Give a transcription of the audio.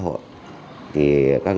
thì các đối tượng quá trình